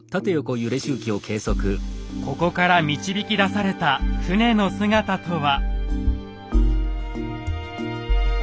ここから導き出された船の姿とは。